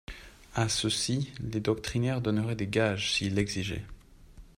A ceux-ci les doctrinaires donneraient des gages s'ils l'exigeaient.